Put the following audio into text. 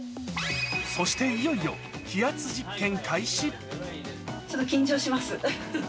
そしていよいよ、気圧実験開ちょっと緊張します。